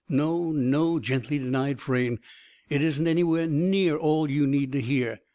"No, no," gently denied Frayne. "It isn't anywhere near all you need to hear.